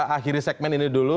akhiri segmen ini dulu